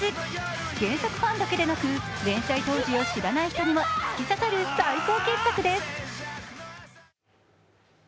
原作ファンだけでなく連載当時を知らない人にも突き刺さる最高傑作です。